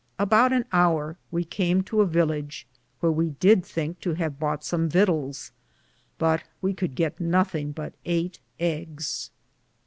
Aboute (an) howre we cam to a villidge, wheare we did thinke to have boughte som vittels, but we could gitt nothinge but 8 egges.